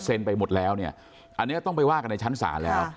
ไปหมดแล้วเนี่ยอันนี้ต้องไปว่ากันในชั้นศาลแล้ว